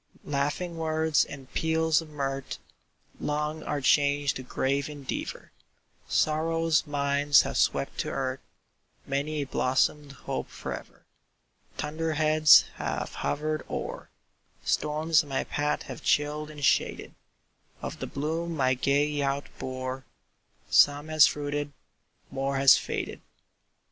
"Laughing words and peals of mirth, Long are changed to grave endeavor; Sorrow's winds have swept to earth Many a blossomed hope forever. Thunder heads have hovered o'er Storms my path have chilled and shaded; Of the bloom my gay youth bore, Some has fruited more has faded."